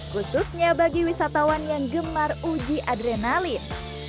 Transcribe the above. khususnya bagi wisatawan yang gemar uji adrenalin